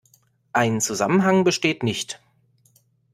Ein Zusammenhang besteht nicht.